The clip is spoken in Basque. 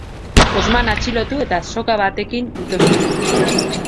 Osman atxilotu eta soka batekin ito zuten.